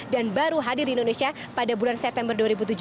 dan baru hadir di indonesia pada bulan september dua ribu tujuh belas